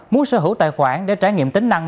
muốn sở hữu tài khoản để trải nghiệm tính năng